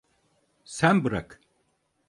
Sen bırak!